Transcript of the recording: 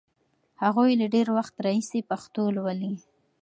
هغوی له ډېر وخت راهیسې پښتو لولي.